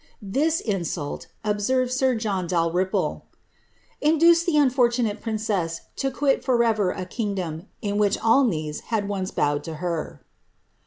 ^ This insult,^' obserfci sir John Dalrymple, ^^ induced the unfortunate princess to quit forever • kingdom, in which all knees had once bowed to her.''